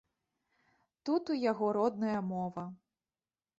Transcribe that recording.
Тут у яго родная мова.